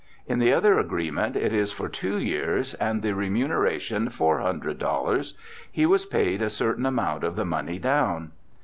In the other agree ment it is for two years, and the remuneration 5^400. He was paid a certain amount of the money down.